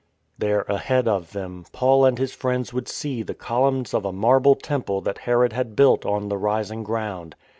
There ahead of them, Paul and his friends would see the columns of a marble temple that Herod had built on the rising ground.